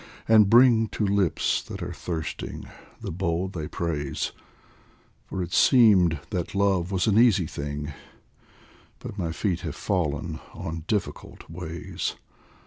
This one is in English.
and bring To lips that are thirsting the bowl they praise, For it seemed that love was an easy thing, But my feet have fallen on difficult ways.